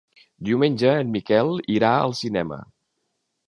Diumenge en Miquel irà al cinema.